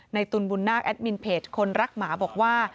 ตุลบุญนาคแอดมินเพจคนรักหมาบอกว่า